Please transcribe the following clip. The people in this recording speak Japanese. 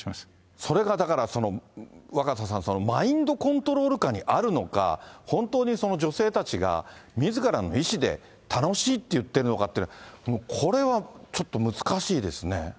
それがだから、若狭さん、マインドコントロール下にあるのか、本当に女性たちがみずからの意思で、楽しいって言ってるのかっていうのは、もうこれは、ちょっと難しいですね。